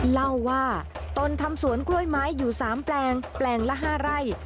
เล่าว่าตนทำสวนกล้วยไม้อยู่๓แปลงแปลงละ๕ไร่